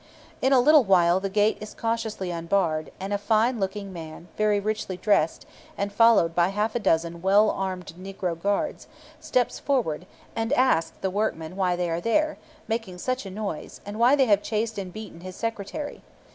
In a little while the gate is cautiously unbarred, and a fine looking man, very richly dressed, and followed by half a dozen well armed negro guards, steps forward, and asks the workmen why they are here, making such a noise, and why they have chased and beaten his secretary.